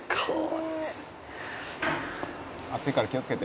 「熱いから気をつけて」